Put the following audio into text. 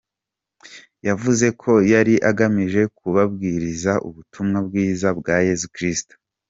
Yavuze ko yari agamije kubabwiriza ubutumwa Bwiza bwa Yesu Kristo.